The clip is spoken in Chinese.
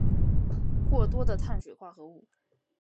过多的碳水化合物